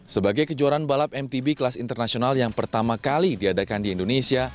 setelah kejuaraan balap mtb kelas internasional yang pertama kali diadakan di indonesia